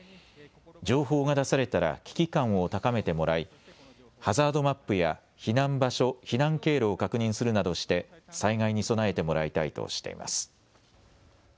情報が出されたら危機感を高めてもらいハザードマップや避難場所、避難経路を確認するなどして災害に備えてもらいたいとしています。